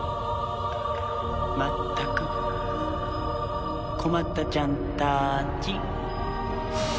まったく困ったちゃんたち。